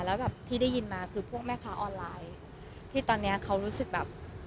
แล้วแบบที่ได้ยินมาคือพวกแม่ค้าออนไลน์ที่ตอนนี้เขารู้สึกแบบ